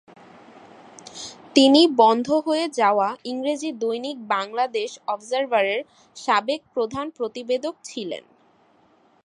তিনি বন্ধ হয়ে যাওয়া ইংরেজি দৈনিক বাংলাদেশ অবজারভারের সাবেক প্রধান প্রতিবেদক ছিলেন।